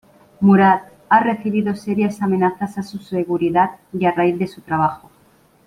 Murad ha recibido serias amenazas a su seguridad a raíz de su trabajo.